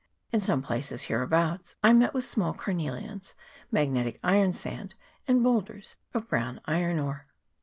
In some places hereabouts I met with small carnelians, magnetic ironsand, and boulders of brown iron ore.